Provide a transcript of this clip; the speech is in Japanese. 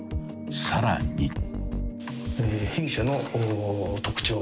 ［さらに］